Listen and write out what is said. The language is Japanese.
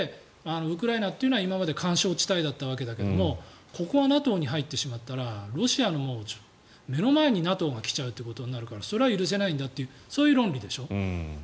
ウクライナというのは今まで緩衝地帯だったわけだけどここがＮＡＴＯに入ってしまったらロシアの目の前にＮＡＴＯが来ちゃうということになるからそれは許せないんだというそういう論理でしょ。